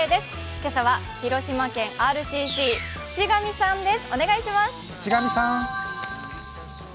今朝は広島県ＲＣＣ・渕上さんです。